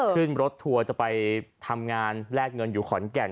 ขึ้นรถทัวร์จะไปทำงานแลกเงินอยู่ขอนแก่น